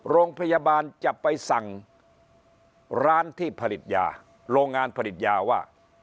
โรงพยาบาลจะไปสั่งร้านที่ผลิตยาโรงงานผลิตยาว่า